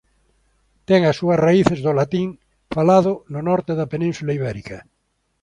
Ten as súas raíces do latín falado no norte da Península Ibérica.